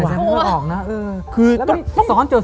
ส้อนก็ส้อนแล้ว